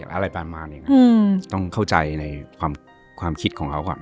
อะไรประมาณนี้ต้องเข้าใจในความคิดของเขา